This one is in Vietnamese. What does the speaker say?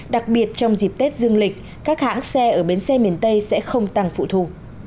đặc biệt trong dịp tết dương lịch các hãng xe ở bến xe miền tây sẽ không tăng phụ thu